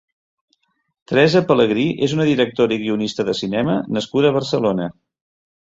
Teresa Pelegrí és una directora i guionista de cinema nascuda a Barcelona.